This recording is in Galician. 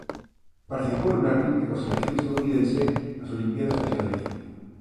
Participou regularmente coa selección estadounidense nas Olimpíadas de xadrez.